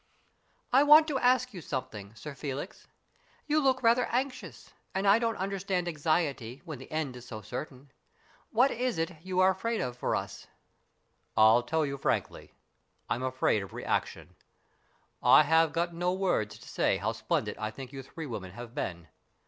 " I want to ask you something, Sir Felix. You look rather anxious, and I don't understand anxiety when the end is so certain. What is it you are afraid of for us ?"" I'll tell you frankly. I'm afraid of reaction. I have got no words to say how splendid I think you three women have been.